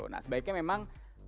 nah sebaiknya memang